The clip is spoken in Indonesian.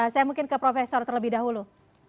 saya mungkin ke profesor terlebih dahulu